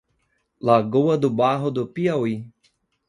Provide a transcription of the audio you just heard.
Lagoa do Barro do Piauí